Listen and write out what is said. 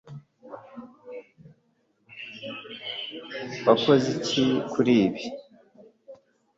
Wakoze iki kuri ibi